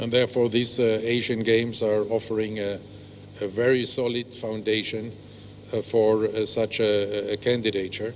dan sebab itu asian games memberikan pembentukan yang sangat solid untuk kandidat tersebut